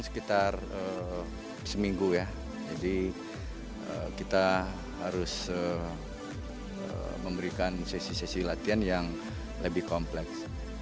sekitar seminggu ya jadi kita harus memberikan sesi sesi latihan yang lebih kompleks